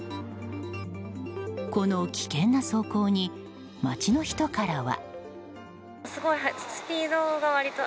この危険な走行に街の人からは。